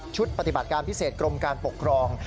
ปฏิบัติการพิเศษกรมการปกครอง